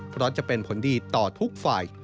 เพราะจะเป็นผลดีต่อทุกฝ่าย